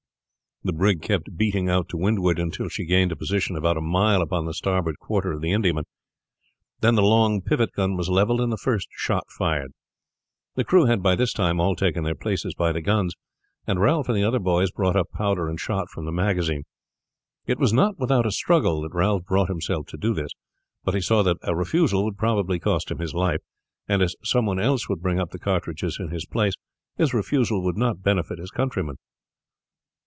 The brig kept eating out to windward until she gained a position about a mile upon the starboard quarter of the Indiaman, then the long pivot gun was leveled and the first shot fired. The crew had by this time all taken their places by the guns, and Ralph and the other boys brought up powder and shot from the magazine. It was not without a struggle that Ralph brought himself to do this; but he saw that a refusal would probably cost him his life, and as some one else would bring up the cartridges in his place his refusal would not benefit his countrymen.